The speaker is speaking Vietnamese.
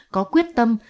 có quyết tâm